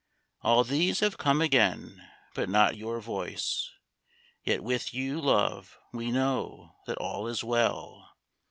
All these have come again, but not your voice ! Yet with you, love, we know that all is well